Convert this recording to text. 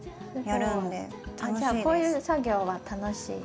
じゃあこういう作業は楽しい？